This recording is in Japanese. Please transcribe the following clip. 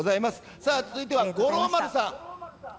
さあ、続いては五郎丸さん。